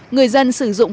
người dân sử dụng